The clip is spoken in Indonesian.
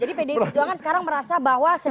jadi pdi perjuangan sekarang merasa bagaimana